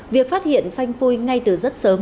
việc phát hiện phanh phôi ngay từ rất sớm